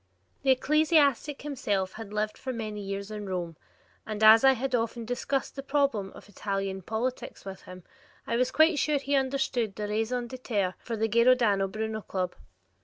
The ecclesiastic himself had lived for years in Rome, and as I had often discussed the problems of Italian politics with him, I was quite sure he understood the raison d'etre for the Giordano Bruno Club.